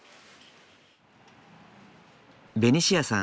ベニシアさん